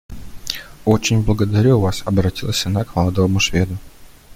Очень благодарю вас, — обратилась она к молодому Шведу.